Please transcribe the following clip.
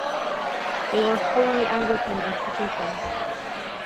They were wholly Anglican institutions.